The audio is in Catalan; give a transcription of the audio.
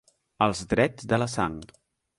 Els drets de la sang.